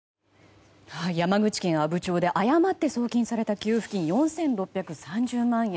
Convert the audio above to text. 山口県阿武町で誤って送金された給付金４６３０万円。